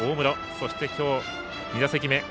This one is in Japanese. そして、今日２打席目。